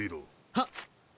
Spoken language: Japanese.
はっ。